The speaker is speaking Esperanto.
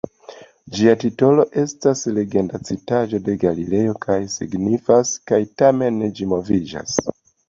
Ĝia titolo estas legenda citaĵo de Galilejo kaj signifas "kaj tamen ĝi moviĝas".